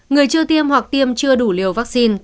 người chưa tiêm hoặc tiêm chưa đủ liều vaccine